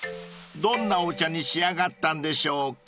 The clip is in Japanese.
［どんなお茶に仕上がったんでしょうか］